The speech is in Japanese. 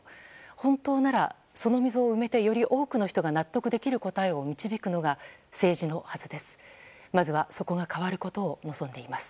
本当ならその溝を埋めてより多くの人が納得できる答えを導くのが政治のはずです。